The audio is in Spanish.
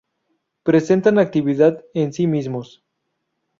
Presentan actividad en sí mismos.